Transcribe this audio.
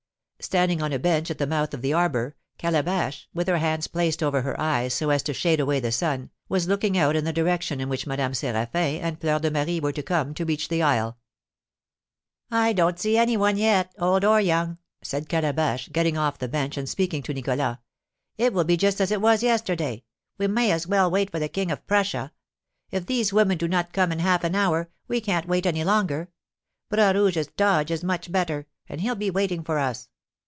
Standing on a bench at the mouth of the arbour, Calabash, with her hands placed over her eyes so as to shade away the sun, was looking out in the direction in which Madame Séraphin and Fleur de Marie were to come to reach the isle. "I don't see any one yet, old or young," said Calabash, getting off the bench and speaking to Nicholas. "It will be just as it was yesterday; we may as well wait for the King of Prussia. If these women do not come in half an hour, we can't wait any longer; Bras Rouge's 'dodge' is much better, and he'll be waiting for us.